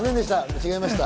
違いました。